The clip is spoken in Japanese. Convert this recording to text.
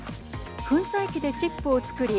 粉砕機でチップを作り